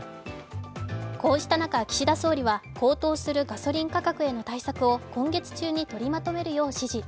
こうした中、岸田総理は高騰するガソリン価格への対策を今月中にとりまとめるよう指示。